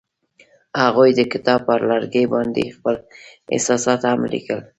هغوی د کتاب پر لرګي باندې خپل احساسات هم لیکل.